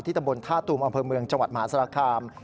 ตำบลท่าตูมอำเภอเมืองจังหวัดมหาสารคาม